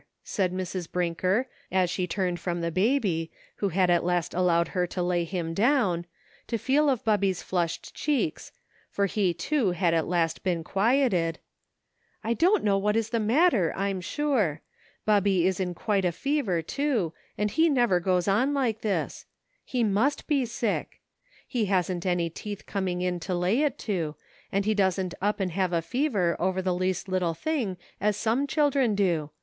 said Mrs. Brinker, as she turned from the baby, who had at last allowed her to lay him down, to feel of Bubby's flushed cheeks, for he too had at last been quieted, "I don't know what is the matter, I'm sure. Bubby is in quite a fever, too, and he never goes on like this. He must be sick. He hasn't any teeth coming to lay it to, and he doesn't up and have a fever over the least little thing as some children do.